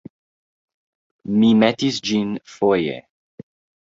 Mi metis ĝin foje.